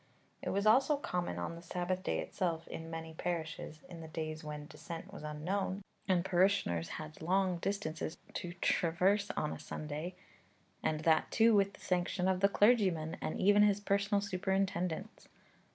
It was also common on the Sabbath day itself in many parishes, in the days when dissent was unknown and parishioners had long distances to traverse on a Sunday; 'and that, too, with the sanction of the clergyman, and even his personal superintendence.